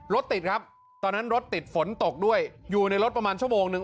รถติดครับตอนนั้นรถติดฝนตกด้วยอยู่ในรถประมาณชั่วโมงนึง